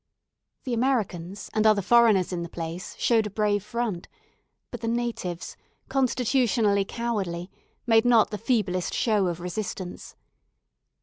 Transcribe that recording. The Americans and other foreigners in the place showed a brave front, but the natives, constitutionally cowardly, made not the feeblest show of resistance.